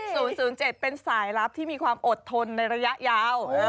ศูนย์ศูนย์เจ็ดเป็นสายลับที่มีความอดทนในระยะยาว